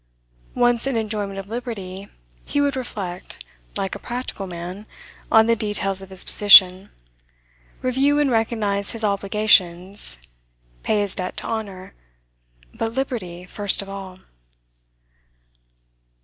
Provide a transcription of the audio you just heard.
Once in enjoyment of liberty, he would reflect, like a practical man, on the details of his position, review and recognise his obligations, pay his debt to honour; but liberty first of all.